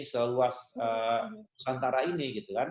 seluas nusantara ini